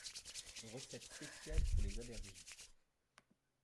Recette spéciale pour les allergiques